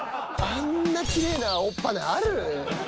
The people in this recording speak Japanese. あんなきれいな青っぱなある？